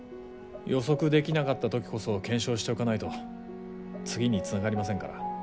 予測できなかった時こそ検証しておかないと次につながりませんから。